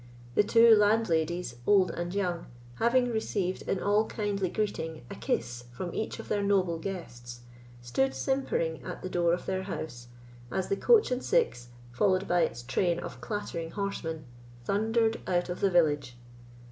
The two landladies, old and young, having received in all kindly greeting a kiss from each of their noble guests, stood simpering at the door of their house, as the coach and six, followed by its train of clattering horsemen, thundered out of the village.